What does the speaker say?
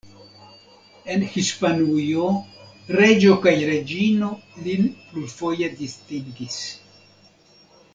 En Hispanujo reĝo kaj reĝino lin plurfoje distingis.